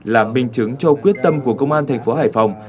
là minh chứng cho quyết tâm của công an thành phố hải phòng